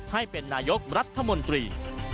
ให้เป็นนายกรัฐมนตรี